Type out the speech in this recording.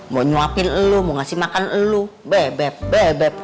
mau nyuapin elu mau ngasih makan elu bebep bebep